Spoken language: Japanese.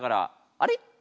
あれ？